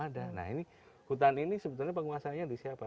ada nah ini hutan ini sebetulnya penguasanya di siapa